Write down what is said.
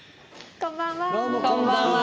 こんばんは。